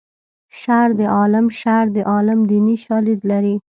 شر د عالم شر د عالم دیني شالید لري